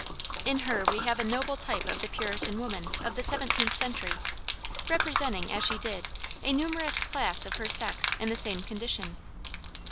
In her we have a noble type of the Puritan woman of the seventeenth century, representing, as she did, a numerous class of her sex in the same condition.